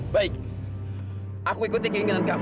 baik aku ikuti keinginan kamu